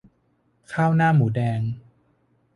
ข้าวหน้าหมูแดง